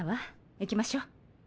行きましょう。